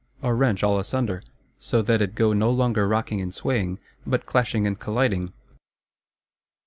Or wrench all asunder; so that it go no longer rocking and swaying, but clashing and colliding?